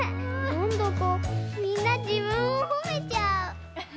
なんだかみんなじぶんをほめちゃう。